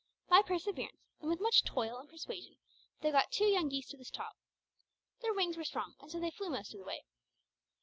By perseverance, and with much toil and persuasion, they got two young geese to the top. Their wings were strong and they flew most of the way.